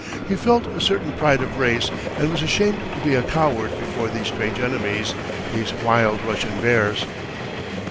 He felt a certain pride of race, and was ashamed to be a coward before these strange enemies, these wild Russian bears.